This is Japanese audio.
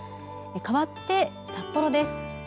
かわって札幌です。